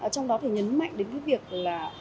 trong đó thì nhấn mạnh đến cái việc là